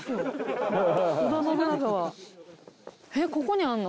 えっここにあるの？